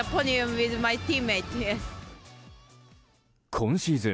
今シーズン